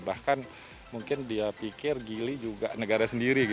bahkan mungkin dia pikir gili juga negara sendiri